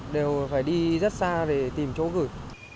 đều phải đi rất xa để tìm chỗ gửi